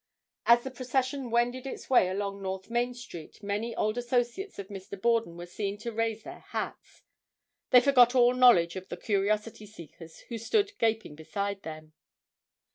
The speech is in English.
As the procession wended its way along North Main street many old associates of Mr. Borden were seen to raise their hats. They forgot all knowledge of the curiosity seekers who stood gaping beside them.